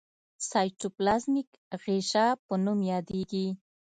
سایټوپلازمیک غشا په نوم یادیږي.